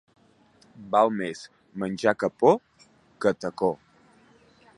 Val més menjar capó que tacó.